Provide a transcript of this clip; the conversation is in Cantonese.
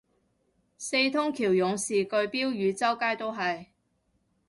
四通橋勇士句標語周街都係